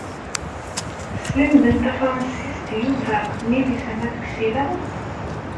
Sslemden tafṛansist Yuba akked Milisa n At Ksila?